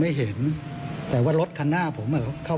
มีความรู้สึกว่ามีความรู้สึกว่า